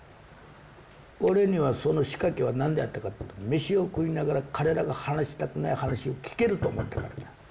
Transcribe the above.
俺にはその仕掛けは何であったかっていうと飯を食いながら彼らが話したくない話を聞けると思ったからだ。